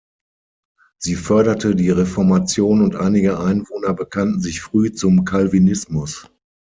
Sie förderte die Reformation und einige Einwohner bekannten sich früh zum Calvinismus.